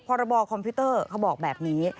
พรบคอมพิวเตอร์เขาบอกแบบนี้